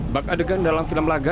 bak adegan dalam film laga